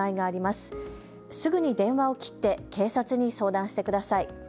すぐに電話を切って警察に相談してください。